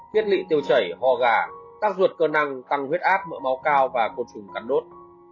biết lị tiêu chảy ho gà tác dụt cơ năng tăng huyết ác mỡ máu cao và côn trùng cắn đốt